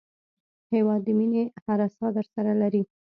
هېواد د مینې هره ساه درسره لري.